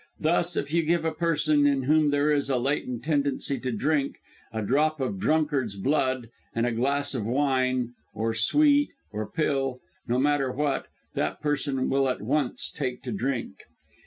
"Thus, if you give a person, in whom there is a latent tendency to drink, a drop of a drunkard's blood in a glass of wine, or sweet, or pill, no matter what that person will at once take to drink.